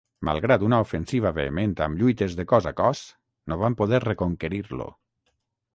Malgrat una ofensiva vehement amb lluites de cos a cos, no van poder reconquerir-lo.